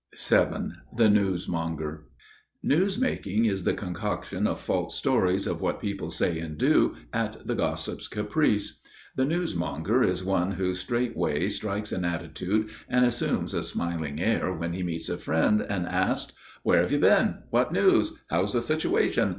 VII The Newsmonger (Λογοπολιία) Newsmaking is the concoction of false stories of what people say and do, at the gossip's caprice. The newsmonger is one who straightway strikes an attitude and assumes a smiling air when he meets a friend, and asks: "Where have you been? What news? How is the situation?